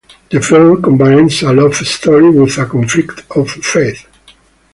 The film combines a love story with a conflict of faith.